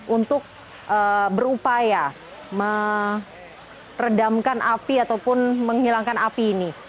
untuk berupaya meredamkan api ataupun menghilangkan api ini